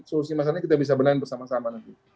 solusi masalah ini kita bisa benar bersama sama